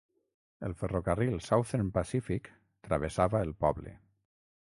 El ferrocarril Southern Pacific travessava el poble.